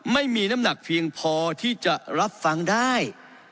ไม่มีน้ำหนักเพียงพอที่จะรับฟังได้